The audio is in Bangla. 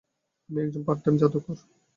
আমি একজন পার্ট-টাইম জাদুকর।